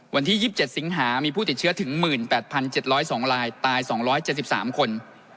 วันที่๒๗สิงหามีผู้ติดเชื้อถึง๑๘๗๐๒ลายตาย๒๗๓คน